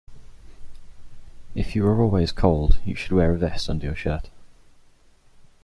If you are always cold, you should wear a vest under your shirt